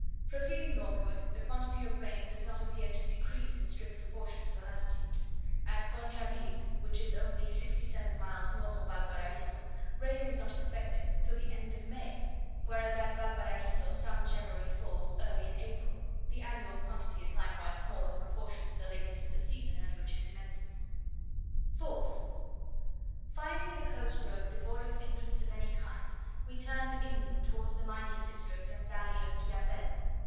Proceeding northward, the quantity of rain does not appear to decrease in strict proportion to the latitude. At Conchalee, which is only 67 miles north of Valparaiso, rain is not expected till the end of May; whereas at Valparaiso some generally falls early in April: the annual quantity is likewise small in proportion to the lateness of the season at which it commences. 4th. Finding the coast road devoid of interest of any kind, we turned inland towards the mining district and valley of Illapel.